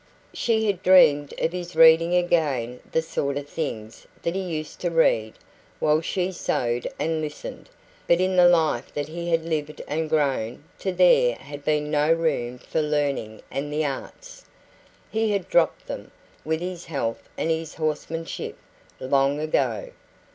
She had dreamed of his reading again the sort of things that he used to read, while she sewed and listened; but in the life that he had lived and grown to there had been no room for learning and the arts. He had dropped them, with his health and his horsemanship, long ago.